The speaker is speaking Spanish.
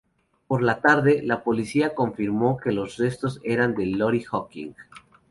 Por la tarde, la policía confirmó que los restos eran de Lori Hacking.